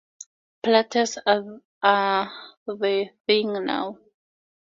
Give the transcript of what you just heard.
Plateaus are the thing now.